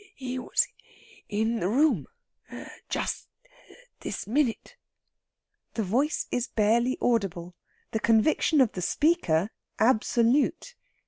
"He was in the room just this minute." The voice is barely audible, the conviction of the speaker absolute.